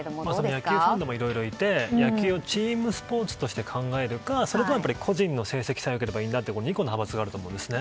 野球ファンでもいろいろいて野球をチームスポーツとして考えるか個人の成績さえ良ければという２個の派閥があると思うんです。